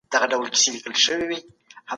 اړیکې لرو.